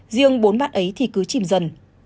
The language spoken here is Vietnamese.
riêng bốn bạn ấy thì cứ chìm dần